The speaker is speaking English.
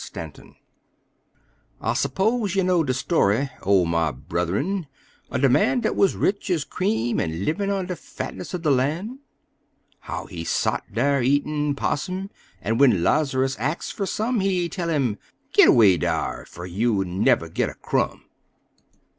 STANTON I s'pose yo' know de story, O my brotherin', er de man Dat wuz rich ez cream, en livin' on de fatness er de lan'? How he sot dar eatin' 'possum, en when Laz'rus ax fer some, He tell 'im: "Git erway, dar! fer you'll never git a crumb!"